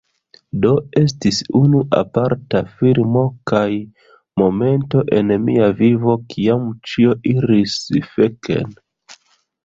Do, estis unu aparta filmo kaj momento en mia vivo kiam ĉio iris feken